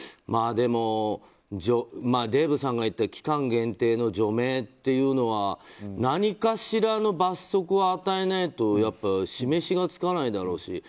でも、デーブさんが言ったように期間限定の除名というのは何かしらの罰則を与えないとやっぱり示しがつかないだろうし。